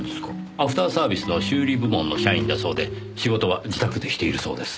アフターサービスの修理部門の社員だそうで仕事は自宅でしているそうです。